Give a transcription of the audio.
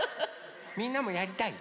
みんなもやりたい？